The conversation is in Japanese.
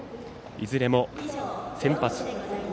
いずれも、先発。